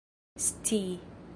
scii